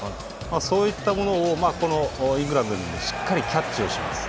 そういったものをイングランドもしっかりキャッチをします。